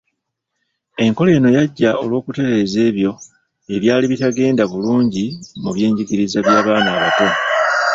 Enkola eno yajjawo olw’okutereeza ebyo ebyali bitagenda bulungi mu by’enjigiriza by’abaana abato.